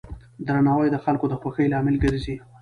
درناوی د خلکو د خوښۍ لامل ګرځي.